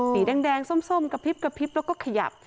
ตีแดงส้มกระพริบแล้วก็ขยับ